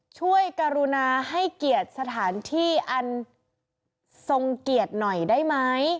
กรุณาให้เกียรติสถานที่อันทรงเกียรติหน่อยได้ไหม